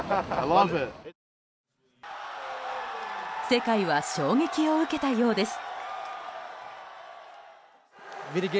世界は衝撃を受けたようです。